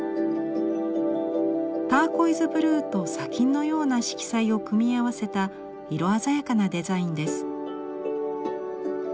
ターコイズ・ブルーと砂金のような色彩を組み合わせた色鮮やかなデザインです。